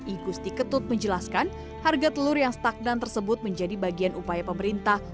igusti ketut menjelaskan harga telur yang stagnan tersebut menjadi bagian upaya pemerintah